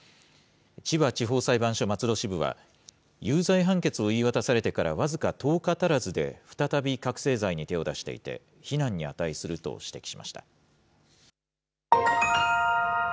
千葉地方裁判所松戸支部は、有罪判決を言い渡されてから僅か１０日足らずで再び覚醒剤に手を出していて、非難に値すると指摘しました。